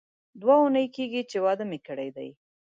دوې اونۍ کېږي چې واده مې کړی دی.